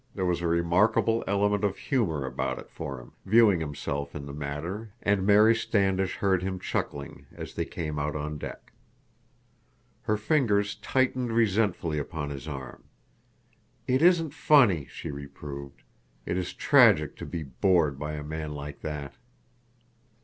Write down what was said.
There was a remarkable element of humor about it for him, viewing himself in the matter, and Mary Standish heard him chuckling as they came out on deck. Her fingers tightened resentfully upon his arm. "It isn't funny," she reproved. "It is tragic to be bored by a man like that."